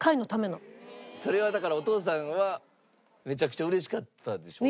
それはだからお父さんはめちゃくちゃ嬉しかったんでしょうね。